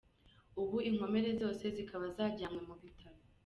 Ubu inkomere zose zikaba zajyanywe mu bitaro.